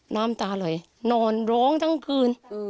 น้ำตาไหลนอนร้องทั้งคืน